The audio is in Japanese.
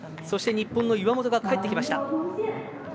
そして日本の岩本が帰ってきました。